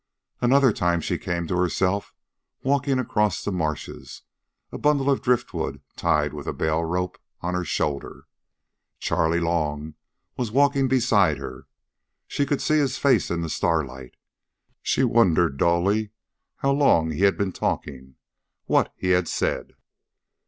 Another time she came to herself walking across the marshes, a bundle of driftwood, tied with bale rope, on her shoulder. Charley Long was walking beside her. She could see his face in the starlight. She wondered dully how long he had been talking, what he had said.